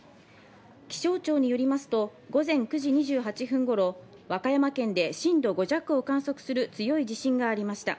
気象庁によりますと午前９時２８分頃、和歌山県で震度５弱を観測する強い地震がありました。